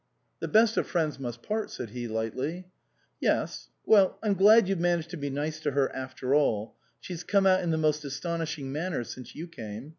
"The best of friends must part," said he lightly. " Yes. Well, I'm glad you've managed to be nice to her, after all. She's come out in the most astonishing manner since you came.